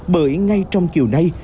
bởi ngay trong chiều nay